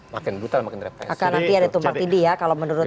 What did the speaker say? makin brutal makin repressi